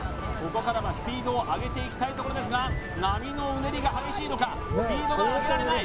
ここからはスピードを上げていきたいところですが波のうねりが激しいのかスピードが上げられない